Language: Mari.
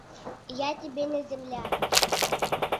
Я тебе не земляк.